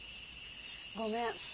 ごめん。